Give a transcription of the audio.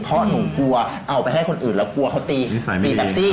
เพราะหนูกลัวเอาไปให้คนอื่นแล้วกลัวเขาตีตีแบบซี่